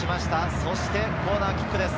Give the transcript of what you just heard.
そしてコーナーキックです。